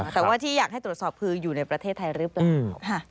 แต่ว่าที่อยากให้ตรวจสอบคืออยู่ในประเทศไทยหรือเปล่า